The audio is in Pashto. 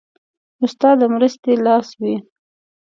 استاد د مرستې لاس وي.